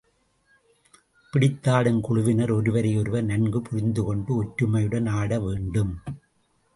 பிடித்தாடும் குழுவினர் ஒருவரையொருவர் நன்கு புரிந்து கொண்டு, ஒற்றுமையுடன் ஆட வேண்டும்.